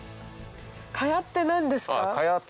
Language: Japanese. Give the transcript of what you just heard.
茅って何ですか？